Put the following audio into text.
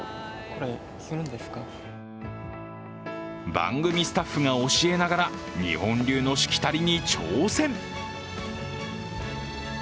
番組スタッフが教えながら日本流のしきたりに挑戦。